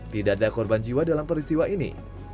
tidak ada korban jiwa dalam peristiwa ini